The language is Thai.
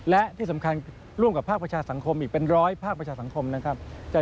และที่สำคัญร่วมกับภาคประชาสังคมอีกเป็นร้อยภาคประชาสังคมนะครับ